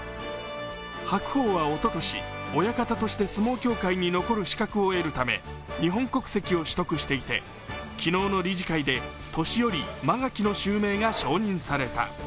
白鵬はおととし、親方として相撲協会に残る資格を得るため、日本国籍を取得していて昨日の理事会で年寄・間垣の襲名が承認された。